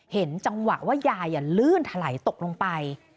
เห็นจังหวะว่ายายลื่นถลัยตกลงไป